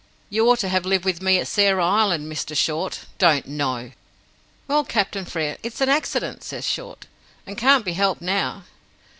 You ought to have lived with me at Sarah Island, Mr. Short. Don't know!" "Well, Captain Frere, it's an accident," says Short, "and can't be helped now."